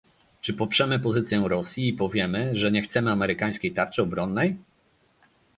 Czy poprzemy pozycję Rosji i powiemy, że nie chcemy amerykańskiej tarczy obronnej?